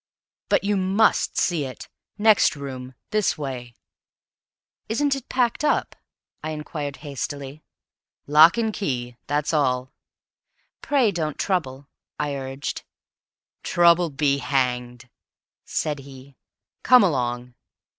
"But you must see it. Next room. This way." "Isn't it packed up?" I inquired hastily. "Lock and key. That's all." "Pray don't trouble," I urged. "Trouble be hanged!" said he. "Come along."